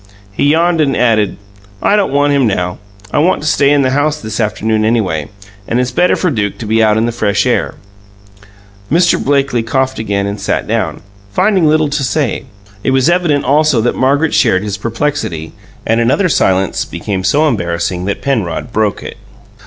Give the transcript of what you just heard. He yawned, and added: "I don't want him now. I want to stay in the house this afternoon, anyway. And it's better for Duke to be out in the fresh air." Mr. Blakely coughed again and sat down, finding little to say. It was evident, also, that Margaret shared his perplexity; and another silence became so embarrassing that Penrod broke it.